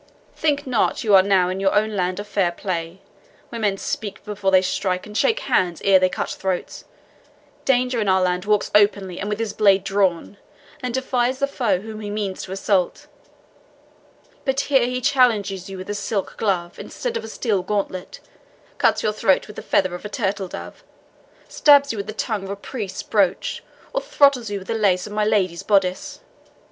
Think not you are now in your own land of fair play, where men speak before they strike, and shake hands ere they cut throats. Danger in our land walks openly, and with his blade drawn, and defies the foe whom he means to assault; but here he challenges you with a silk glove instead of a steel gauntlet, cuts your throat with the feather of a turtle dove, stabs you with the tongue of a priest's brooch, or throttles you with the lace of my lady's boddice.